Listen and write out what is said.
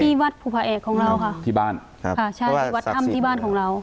ที่วัดภูเภอเอกของเราค่ะที่บ้านครับใช่วัดธรรมที่บ้านของเรา